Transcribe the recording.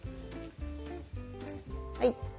はい。